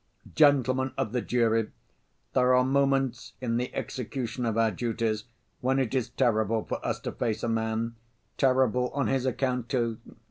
"Gentlemen of the jury, there are moments in the execution of our duties when it is terrible for us to face a man, terrible on his account, too!